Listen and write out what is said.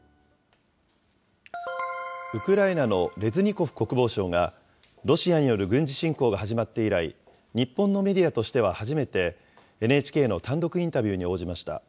ウクライナのレズニコフ国防相が、ロシアによる軍事侵攻が始まって以来、日本のメディアとしては初めて、ＮＨＫの単独インタビューに応じました。